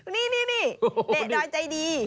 นี่เตะดอยใจดี